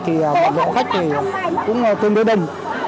thì bọn đội khách cũng tương đối đông